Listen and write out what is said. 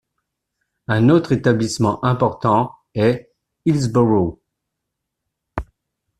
Un autre établissement important est Hillsborough.